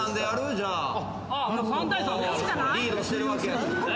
リードしてるわけやし。